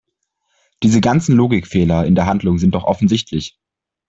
Diese ganzen Logikfehler in der Handlung sind doch offensichtlich!